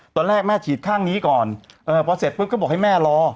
ตอนแรกแม่ฉีดข้างนี้ก่อนพอเสร็จปุ๊บก็บอกให้แม่รอ